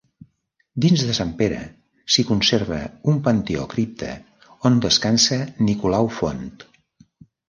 Dins de Sant Pere s'hi conserva un panteó-cripta on descansa Nicolau Font.